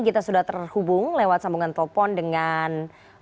kita sudah terhubung lewat sambungan telepon dengan